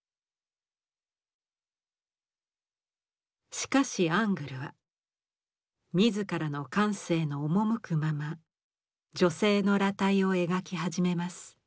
しかしアングルは自らの感性の赴くまま女性の裸体を描き始めます。